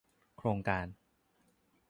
โครงการ